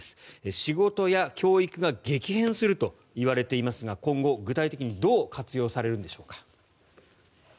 仕事や教育が激減するといわれていますが今後、具体的にどう活用されるんでしょうか。